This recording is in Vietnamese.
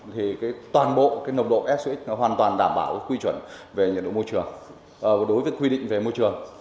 thì toàn bộ cái nồng độ sx hoàn toàn đảm bảo quy chuẩn về nhiệt độ môi trường đối với quy định về môi trường